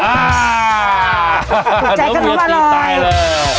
อ่าถูกใจขนมอร่อยน้ำเวียดติ๊บตายเลย